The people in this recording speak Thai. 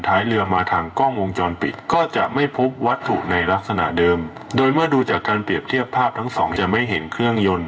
ถ้ายังพิธีไทยต้องใช้อะไร